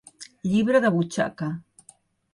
Llibre de butxaca.